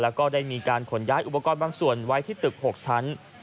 แล้วก็ได้มีการขนย้ายอุปกรณ์บางส่วนไว้ที่ตึก๖ชั้น